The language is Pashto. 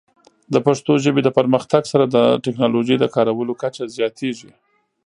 د پښتو ژبې د پرمختګ سره، د ټیکنالوجۍ د کارولو کچه زیاتېږي.